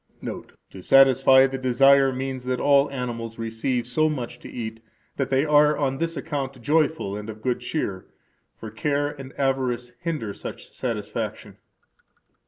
Note: To satisfy the desire means that all animals receive so much to eat that they are on this account joyful and of good cheer; for care and avarice hinder such satisfaction.